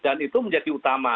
dan itu menjadi utama